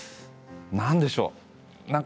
何でしょう